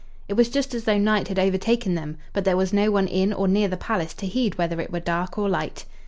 It was just as though night had overtaken them, but there was no one in or near the palace to heed whether it were dark or light.